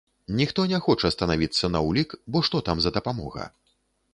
Ніхто не хоча станавіцца на ўлік, бо што там за дапамога?